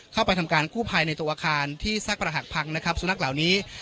เข้าไปทำการกู้ภัยในตัวอาคารที่ซากประหักพังนะครับสุนัขเหล่านี้